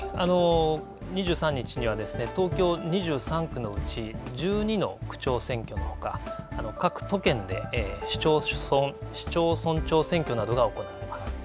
２３日には、東京２３区のうち１２の区長選挙のほか、各都県で市町村長選挙などが行われます。